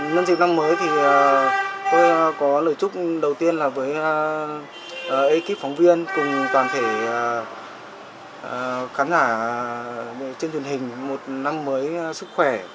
nhân dịp năm mới thì tôi có lời chúc đầu tiên là với ekip phóng viên cùng toàn thể khán giả trên truyền hình một năm mới sức khỏe